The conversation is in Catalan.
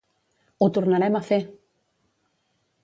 Ho tornarem a fer!